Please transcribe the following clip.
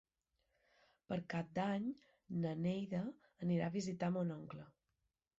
Per Cap d'Any na Neida irà a visitar mon oncle.